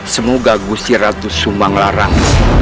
semoga gusti ratu sumbang larang